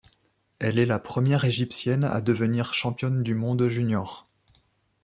Elle est la première Égyptienne à devenir championne du monde junior.